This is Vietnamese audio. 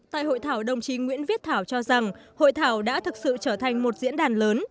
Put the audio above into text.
tại hội thảo đồng chí nguyễn viết thảo cho rằng hội thảo đã thực sự trở thành một diễn đàn lớn